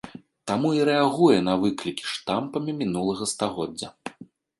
Таму і рэагуе на выклікі штампамі мінулага стагоддзя.